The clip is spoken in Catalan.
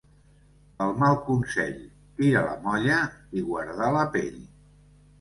El mal consell, tirar la molla i guardar la pell.